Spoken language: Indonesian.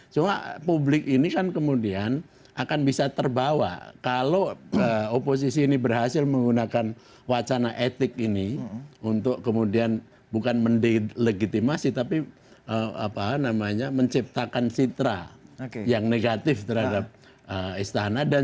cuma publik ini kan kemudian akan bisa terbawa kalau oposisi ini berhasil menggunakan wacana etik ini untuk kemudian bukan mendelegitimasi tapi apa namanya menciptakan citra yang negatif terhadap istana